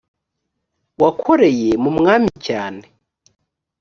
wakoreye mu mwami cyane